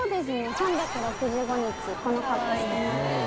３６５日この格好してます。